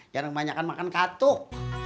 jarang banyakan makan katuk